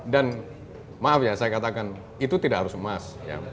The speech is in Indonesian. dan maaf ya saya katakan itu tidak harus emas